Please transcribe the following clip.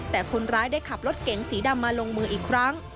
แต่คนร้ายได้ขับรถเก๋งสีดำมาลงมืออีกครั้ง